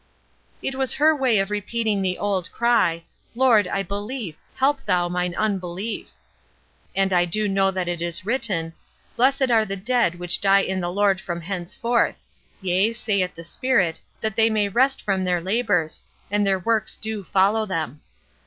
It was her way of repeating the old cry, "Lord, I believe, help thou mine unbelief." And I do know that it is written, "Blessed are the dead which die in the Lord from henceforth: Yea, saith the Spirit, that they may rest from their labors; and their works do follow them."